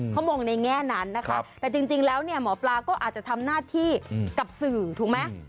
เขามองในแง่นั้นนะคะแต่จริงแล้วเนี่ยหมอปลาก็อาจจะทำหน้าที่กับสื่อถูกไหม